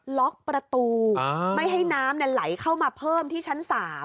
ล็อกประตูไม่ให้น้ำไหลเข้ามาเพิ่มที่ชั้น๓